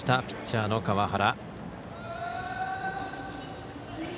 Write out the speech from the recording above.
ピッチャーの川原。